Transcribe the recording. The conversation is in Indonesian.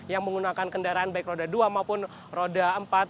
yang menggunakan kendaraan baik roda dua maupun roda empat